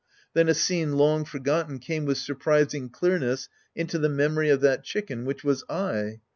Then a scene long forgotten came with surprising clearness into the me moiy of that chicken, which was I.